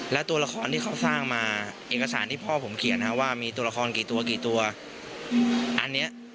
และตัวละครเรียกท่านเพียงกว่าเฌ้าเชื่อคนเดี่ยวนี้